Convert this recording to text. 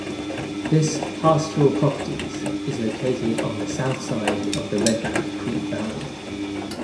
This pastoral properties is located on the south side of the Redbank Creek valley.